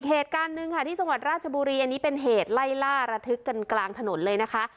เหตุการณ์หนึ่งค่ะที่จังหวัดราชบุรีอันนี้เป็นเหตุไล่ล่าระทึกกันกลางถนนเลยนะคะ